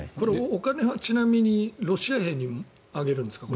お金はちなみにロシア兵にあげるんですか？